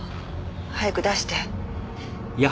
早く出して。